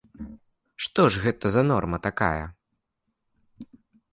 Што ж гэта за норма такая?